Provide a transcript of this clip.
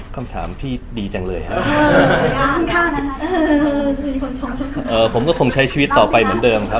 คำถามพี่ดีจังเลยครับผมก็คงใช้ชีวิตต่อไปเหมือนเดิมครับ